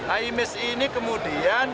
aimes ini kemudian